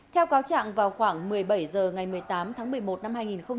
theo cáo trạng vào khoảng một mươi bảy h ngày một mươi tám tháng một mươi một năm hai nghìn một mươi chín